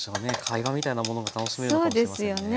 会話みたいなものが楽しめるのかもしれませんね。